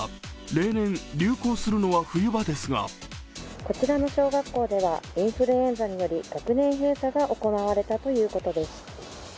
例年、流行するのは冬場ですがこちらの小学校ではインフルエンザにより学年閉鎖が行われたということです。